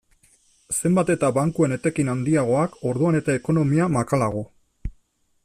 Zenbat eta bankuen etekin handiagoak, orduan eta ekonomia makalago.